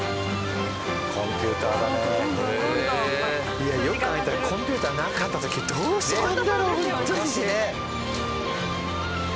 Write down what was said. いやよく考えたらコンピューターなかった時どうしてたんだろうホントにね。